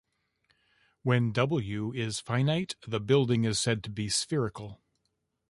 When "W" is finite, the building is said to be spherical.